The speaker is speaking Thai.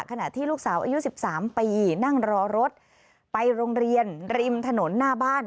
ขณะที่ลูกสาวอายุ๑๓ปีนั่งรอรถไปโรงเรียนริมถนนหน้าบ้าน